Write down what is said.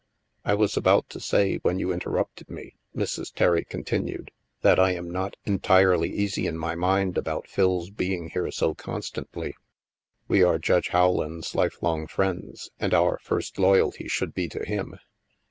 "I was about to say, when you interrupted me," Mrs. Terry continued, " that I am not entirely easy in my mind about Phil's being here so constantly. We are Judge Rowland's life long friends, and our first loyalty should be to him.